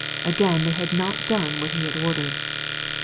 Again they had not done as he had ordered.